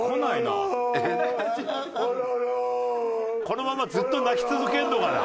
このままずっと泣き続けるのかな？